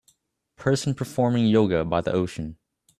Person performing yoga by the ocean